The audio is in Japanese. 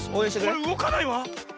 これうごかないわ。